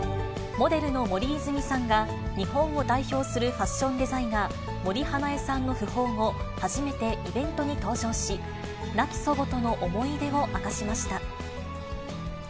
モデルの森泉さんが、日本を代表するファッションデザイナー、森英恵さんの訃報後、初めてイベントに登場し、亡き祖母との思い出を明かしました。